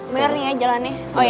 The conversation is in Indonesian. bener nih ya jalannya